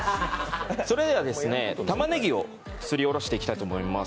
それでは、たまねぎをすりおろしていきたいと思います。